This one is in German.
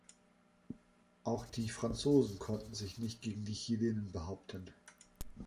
Auch die Franzosen konnten sich nicht gegen die Chilenen behaupten.